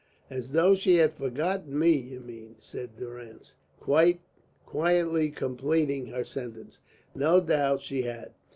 "As though she had forgotten me, you mean," said Durrance, quietly completing her sentence. "No doubt she had."